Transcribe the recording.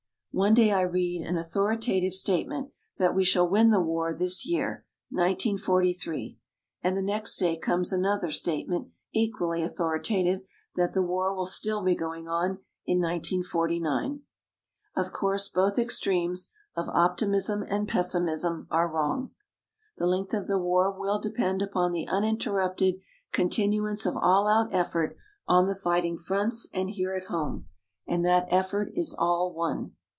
One day I read an "authoritative" statement that we shall win the war this year, 1943 and the next day comes another statement equally "authoritative," that the war will still be going on in 1949. Of course, both extremes of optimism and pessimism are wrong. The length of the war will depend upon the uninterrupted continuance of all out effort on the fighting fronts and here at home, and that effort is all one.